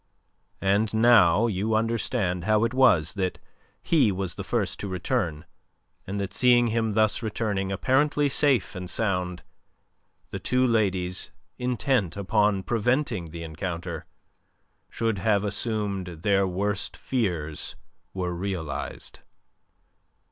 And now you understand how it was that he was the first to return, and that seeing him thus returning, apparently safe and sound, the two ladies, intent upon preventing the encounter, should have assumed that their worst fears were realized.